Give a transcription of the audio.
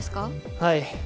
はい。